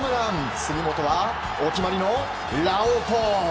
杉本はお決まりのラオウポーズ。